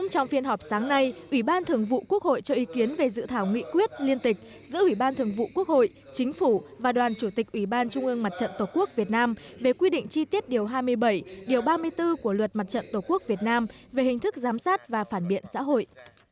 trong phiên họp sáng nay ủy ban thường vụ quốc hội cho ý kiến về dự thảo nghị quyết liên tịch giữa ủy ban thường vụ quốc hội chính phủ và đoàn chủ tịch ủy ban trung ương mặt trận tổ quốc việt nam về quy định chi tiết điều hai mươi bảy điều ba mươi bốn của luật mặt trận tổ quốc việt nam về hình thức giám sát và phản biện xã hội